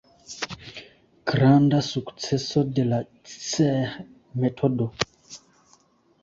Granda sukceso de la Cseh-metodo.